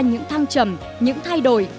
những thăng trầm những thay đổi